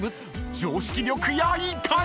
［常識力やいかに⁉］